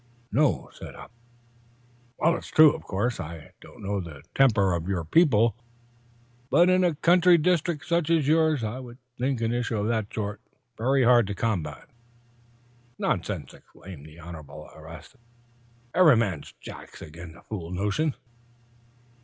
"No!" said Hopkins. "Well, it's true. Of course I do not know the temper of your people, but in a country district such as yours I would think an issue of that sort very hard to combat." "Nonsense!" exclaimed the Honorable Erastus. "Ev'ry man Jack's agin the fool notion."